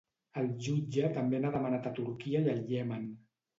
El jutge també n’ha demanat a Turquia i al Iemen.